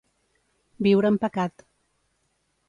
Viure en pecat.